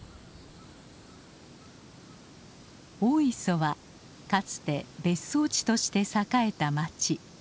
大磯はかつて別荘地として栄えた町。